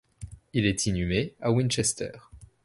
Il est inhumé à Winchester.